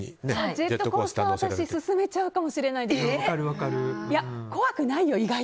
ジェットコースターは私勧めちゃうかもしれない。